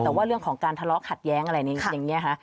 แต่ว่าเรื่องของการทะเลาะขัดแย้งอะไรอย่างนี้ค่ะ